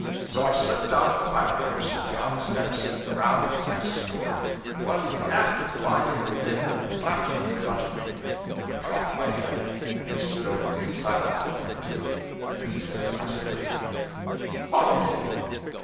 So I slipped out of the pilot house, and down the steps, and around to the texas door and was in the act of gliding within, when the captain confronted me! I dropped my head, and he stood over me in silence a moment or two, then said impressively 'Follow me.'